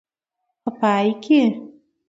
په پای کې.